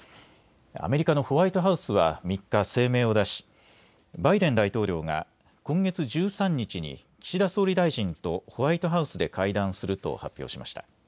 アメリカのホワイトハウスは３日、声明を出しバイデン大統領が今月１３日に岸田総理大臣とホワイトハウスで会談すると発表しました。